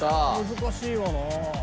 難しいわな。